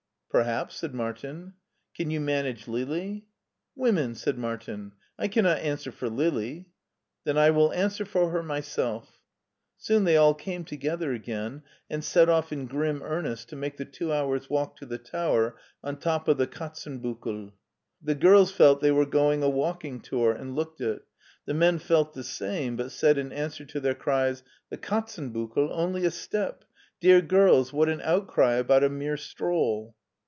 *' "Perhaps," said Martin. " Can you manage Lili ?" "Women!" said Martin. "I cannot answer for Lili.'' " Then I will answer for her myself." Soon they all came together again and set off in grim earnest to make the two hours' walk to the tower on the top of the Katzenbuckle. The girls felt they were going a walking tour, and looked it; the men felt the same, but said in answer to their cries : "The Katzenbuckle! Only a step! Dear girls, what an outcry about a mere stroll."